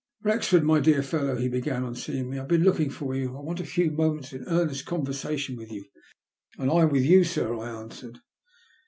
" Wrexford, my dear fellow," he began, on seeing me, "I have been looking for you. I want a few moments' earnest conversation with you." '* And I with you, sir," I answered.